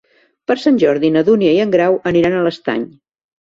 Per Sant Jordi na Dúnia i en Grau aniran a l'Estany.